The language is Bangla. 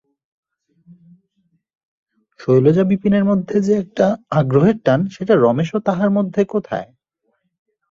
শৈলজা ও বিপিনের মধ্যে যে-একটা আগ্রহের টান সেটা রমেশ ও তাহার মধ্যে কোথায়?